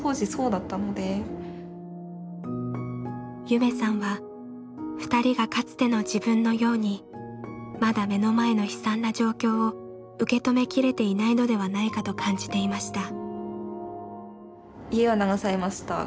夢さんは２人がかつての自分のようにまだ目の前の悲惨な状況を受け止めきれていないのではないかと感じていました。